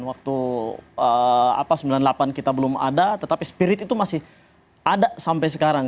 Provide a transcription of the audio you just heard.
waktu sembilan puluh delapan kita belum ada tetapi spirit itu masih ada sampai sekarang